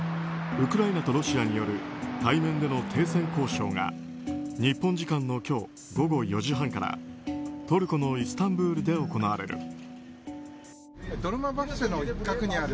ウクライナとロシアによる対面での停戦交渉が日本時間の今日午後４時半からトルコのイスタンブールで行われる。